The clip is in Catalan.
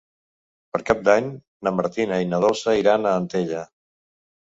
Per Cap d'Any na Martina i na Dolça iran a Antella.